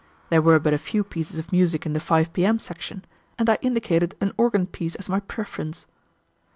There were but a few pieces of music in the "5 P.M." section, and I indicated an organ piece as my preference.